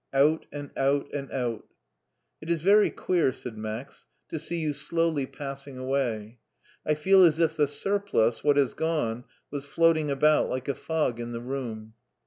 Out and out and out" It is very queer," said Max, " to see you slowly If HEIDELBERG 67 passing away. I feel as if the surplus, what has gone, was floating about like a fog in the room.